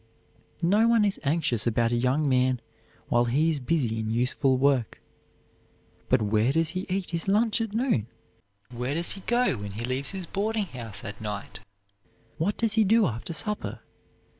No one is anxious about a young man while he is busy in useful work. But where does he eat his lunch at noon? Where does he go when he leaves his boarding house at night? What does he do after supper?